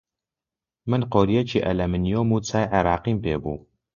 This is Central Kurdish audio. من قۆرییەکی ئەلمۆنیۆم و چای عێراقیم پێ بوو